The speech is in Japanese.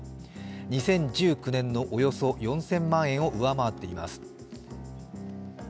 ２０１９年のおよそ４０００万円を上回っています。